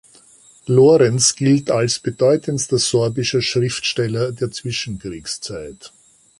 Lorenc gilt als bedeutendster sorbischer Schriftsteller der Zwischenkriegszeit.